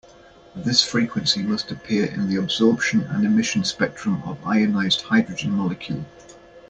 This frequency must appear in the absorption and emission spectrum of ionized hydrogen molecule.